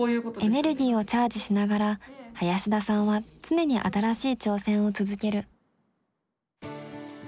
エネルギーをチャージしながら林田さんは常に新しい挑戦を続ける。